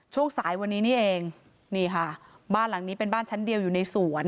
ช่วงสายวันนี้นี่เองนี่ค่ะบ้านหลังนี้เป็นบ้านชั้นเดียวอยู่ในสวน